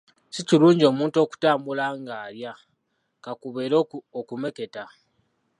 Si kirungi omuntu okutambula ng’alya, ka kubeere okumeketa.